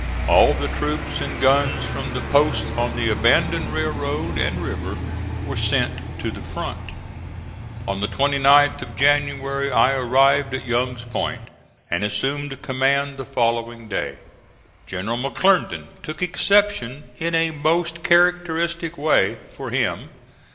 All the troops and guns from the posts on the abandoned railroad and river were sent to the front. On the 29th of January I arrived at Young's Point and assumed command the following day. General McClernand took exception in a most characteristic way for him.